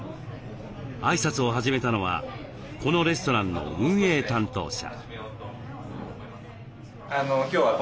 挨拶を始めたのはこのレストランの運営担当者。